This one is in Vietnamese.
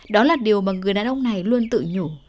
đó là điều mà người đàn ông này luôn tự nhủ